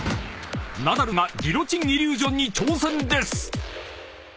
ナダルがギロチンイリュージョンに挑戦です］